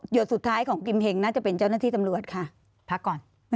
สุดท้ายของกิมเฮงน่าจะเป็นเจ้าหน้าที่ตำรวจค่ะพักก่อน